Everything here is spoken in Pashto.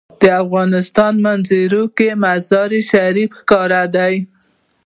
د افغانستان په منظره کې مزارشریف ښکاره ده.